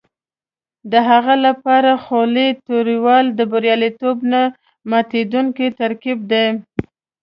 د هغې لپاره خولې تویول د بریالیتوب نه ماتېدونکی ترکیب دی.